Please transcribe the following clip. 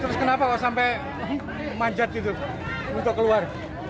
terus kenapa kok sampai manjat gitu untuk keluar